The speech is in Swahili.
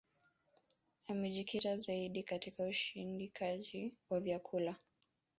Amejikita zaidi katika usindikaji wa vyakula